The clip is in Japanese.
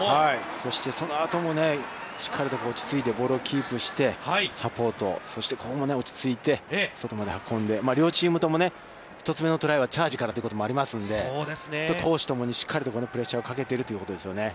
そして、その後もしっかりと落ち着いてボールをキープしてサポート、そしてここも落ち着いて外まで運んで両チームとも１つ目のトライはチャージからということもありますので、攻守ともにプレッシャーをかけているということですよね。